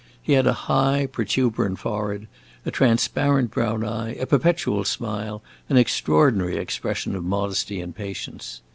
He had a high, protuberant forehead, a transparent brown eye, a perpetual smile, an extraordinary expression of modesty and patience.